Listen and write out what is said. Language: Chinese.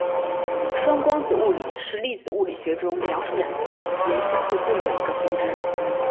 双光子物理是粒子物理学中描述两个光子间相互作用的一个分支。